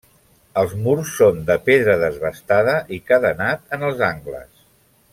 Els murs són de pedra desbastada i cadenat en els angles.